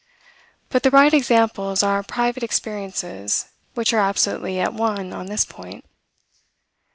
But the right examples are private experiences, which are absolutely at one on this point.